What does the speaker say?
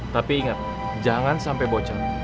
tapi ingat jangan sampai bocor